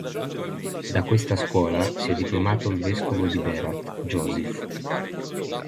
Da questa scuola si e diplomato il Vescovo di Berat, Josif.